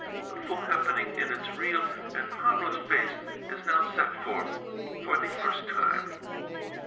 The full happening in its real and harmless face is now set forth for the first time.